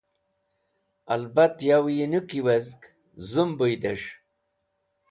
Albat yo yinũki wezg, zũmbũydẽs̃h.